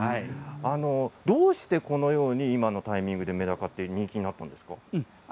どうしてこのように今のタイミングでめだか人気になっているんですか。